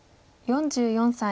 ４４歳。